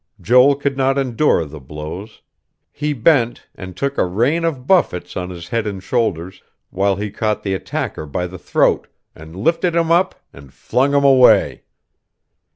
Joel could not endure the blows; he bent, and took a rain of buffets on his head and shoulders while he caught the attacker by the throat, and lifted him up and flung him away.